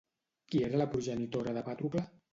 Qui era la progenitora de Pàtrocle?